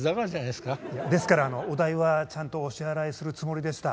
ですからお代はちゃんとお支払いするつもりでした。